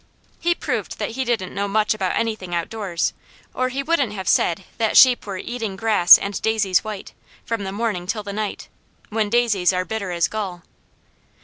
He proved that he didn't know much about anything outdoors or he wouldn't have said that sheep were "eating grass and daisies white, from the morning till the night," when daisies are bitter as gall.